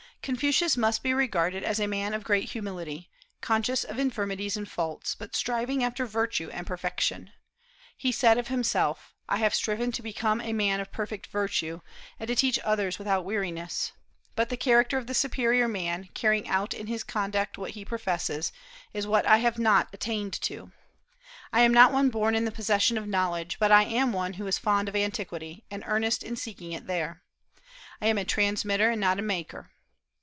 Confucius must be regarded as a man of great humility, conscious of infirmities and faults, but striving after virtue and perfection. He said of himself, "I have striven to become a man of perfect virtue, and to teach others without weariness; but the character of the superior man, carrying out in his conduct what he professes, is what I have not attained to. I am not one born in the possession of knowledge, but I am one who is fond of antiquity, and earnest in seeking it there. I am a transmitter, and not a maker."